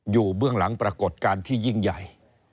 เบื้องหลังปรากฏการณ์ที่ยิ่งใหญ่